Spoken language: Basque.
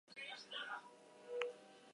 Elkarri begiratu genion, isilik.